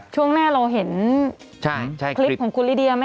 ช่วงหน้าเราเห็นคลิปของคุณลิเดียไหม